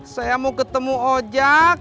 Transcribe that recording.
saya mau ketemu ojak